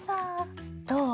どう？